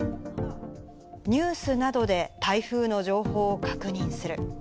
ニュースなどで台風の情報を確認する。